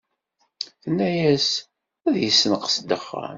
Tenna-yas ad yessenqes ddexxan.